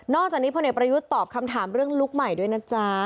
จากนี้พลเอกประยุทธ์ตอบคำถามเรื่องลุคใหม่ด้วยนะจ๊ะ